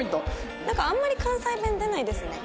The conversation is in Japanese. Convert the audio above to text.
なんかあんまり関西弁出ないですね。